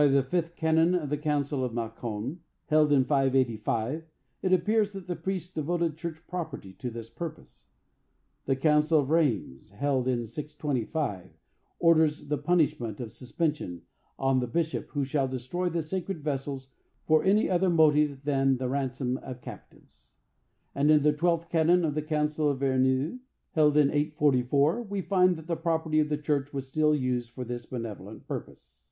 By the fifth canon of the Council of Macon, held in 585, it appears that the priests devoted church property to this purpose. The Council of Rheims, held in 625, orders the punishment of suspension on the bishop who shall destroy the sacred vessels FOR ANY OTHER MOTIVE THAN THE RANSOM OF CAPTIVES; and in the twelfth canon of the Council of Verneuil, held in 844, we find that the property of the church was still used for this benevolent purpose.